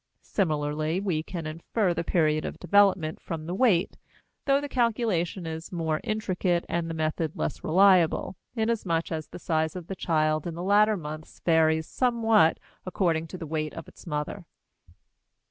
Similarly, we can infer the period of development from the weight, though the calculation is more intricate and the method less reliable, inasmuch as the size of the child in the latter months varies somewhat according to the weight of its mother.